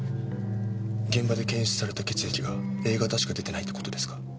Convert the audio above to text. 現場で検出された血液がＡ型しか出てないって事ですか？